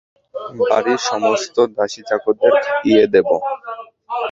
বাড়ির সমস্ত দাসী-চাকরদের খাইয়ে দেব।